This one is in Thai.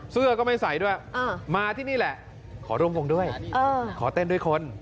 เสื้อก็ไม่ใส่ด้วยมาที่นี่แหละขอรวมคลุมด้วย